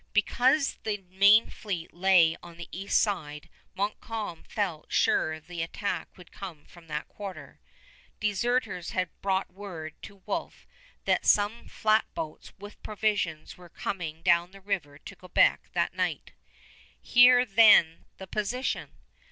Because the main fleet lay on the east side Montcalm felt sure the attack would come from that quarter. Deserters had brought word to Wolfe that some flatboats with provisions were coming down the river to Quebec that night. Here, then, the position!